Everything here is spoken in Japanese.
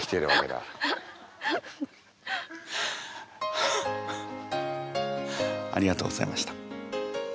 ハハッありがとうございました。